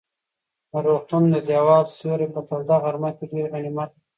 د روغتون د دېوال سیوری په توده غرمه کې ډېر غنیمت و.